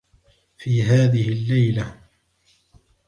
في هذه الليلة.